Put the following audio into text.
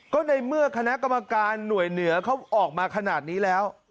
ก็ในเมื่อคณะกรรมการหน่วยเหนือเขาออกมาขนาดนี้แล้ว